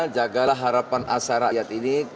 jagalah harapan asal rakyat ini